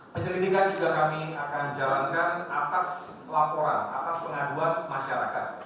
penyelidikan juga kami akan jalankan atas laporan atas pengaduan masyarakat